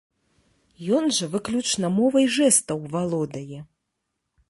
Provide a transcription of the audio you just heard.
Ён жа выключна мовай жэстаў валодае.